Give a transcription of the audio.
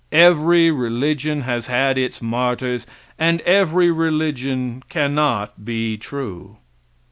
Every religion has had its martyrs, and every religion cannot be true.